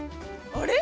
あれ？